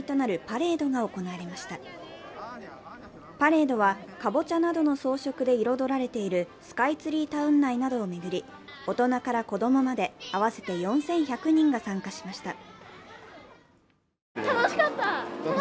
パレードはかぼちゃなどの装飾で彩られているスカイツリータウン内などを巡り、大人から子供まで合わせて４１００人が参加しました。